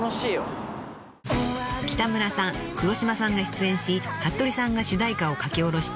［北村さん黒島さんが出演しはっとりさんが主題歌を書き下ろした］